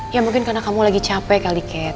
ya mungkin karena kamu lagi capek kali cat